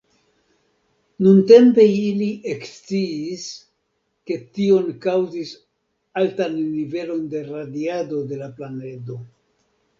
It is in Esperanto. Nuntempe ili eksciis, ke tion kaŭzis altan nivelon de radiado de la planedo.